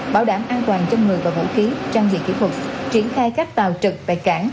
bảo đảm an toàn cho người và vũ khí trang dạy kỹ thuật triển khai các tàu trực tại cảng